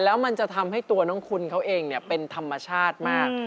แล้วมันจะทำให้ตัวน้องคุณเขาเองเป็นธรรมชาติมาก